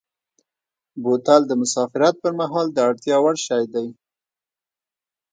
بوتل د مسافرت پر مهال د اړتیا وړ شی دی.